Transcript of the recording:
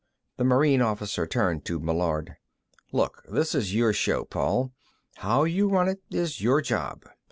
The Marine officer turned to Meillard. "Look, this is your show, Paul; how you run it is your job.